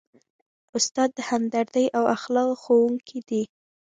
استاد د همدردۍ او اخلاقو ښوونکی دی.